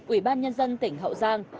ủy ban nhân dân tỉnh hậu giang